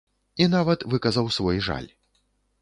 І нават выказаў свой жаль.